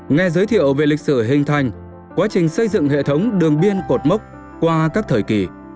nghe giới thiệu về lịch sử hình thành quá trình xây dựng hệ thống đường biên cột mốc qua các thời kỳ